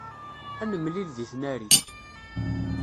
Ad nemlil deg tnarit.